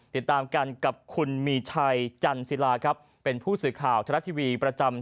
ติดตามกันกับคุณมีชัยจันศิลาครับเป็นผู้สื่อข่าวทรัฐทีวีประจำ